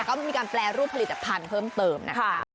ก็มีการแปรรูปผลิตภัณฑ์เพิ่มเติมนะคะ